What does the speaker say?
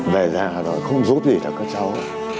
về ra rồi không giúp gì được các cháu